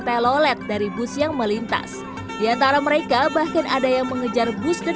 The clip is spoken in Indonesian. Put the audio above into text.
telolet dari bus yang melintas diantara mereka bahkan ada yang mengejar bus dan